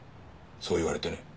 そう言われてね。